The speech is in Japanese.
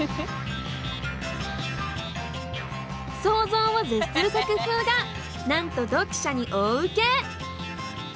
想像を絶する作風がなんと読者に大ウケ。